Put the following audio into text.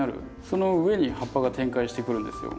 その上に葉っぱが展開してくるんですよ。